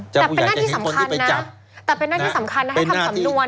แต่เป็นหน้าที่สำคัญนะให้ทำสำนวนเนี่ย